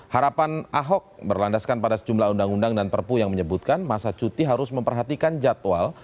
harapan ahok berlandaskan pada sejumlah undang undang dan perpu yang menyebutkan masa cuti harus memperhatikan jadwal